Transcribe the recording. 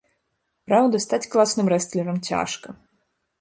Праўда, стаць класным рэстлерам цяжка.